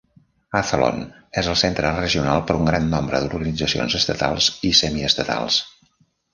Athlone és el centre regional per a un gran nombre d'organitzacions estatals i semiestatals.